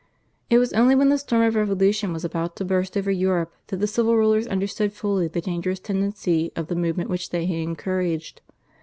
It was only when the storm of revolution was about to burst over Europe that the civil rulers understood fully the dangerous tendency of the movement which they had encouraged.